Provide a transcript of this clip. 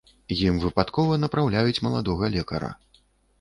Ім выпадкова напраўляюць маладога лекара.